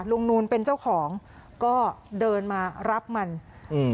นูนเป็นเจ้าของก็เดินมารับมันอืม